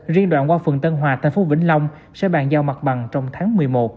riêng đoạn qua phần tân hòa thành phố vĩnh long sẽ bàn giao mặt bằng trong tháng một mươi một